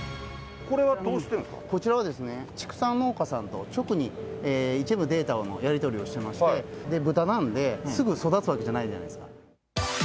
こちらはですね、畜産農家さんと直に一部データのやり取りをしてまして、豚なんで、すぐ育つわけじゃないじゃないですか。